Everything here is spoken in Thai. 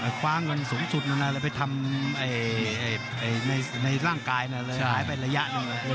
เคยคว้าเงินกันสูงสุดไปทำในร่างกายหายไประยะหนึ่ง